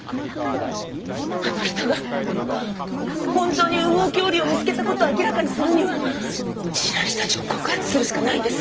あの人が本当に羽毛恐竜を見つけた事を明らかにするには白石たちを告発するしかないんです。